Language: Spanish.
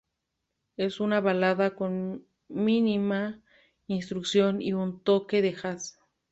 Es una balada con mínima instrumentación y un toque de jazz.